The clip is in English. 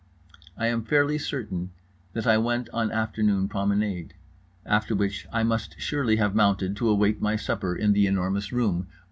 I am fairly certain that I went on afternoon promenade. After which I must surely have mounted to await my supper in The Enormous Room.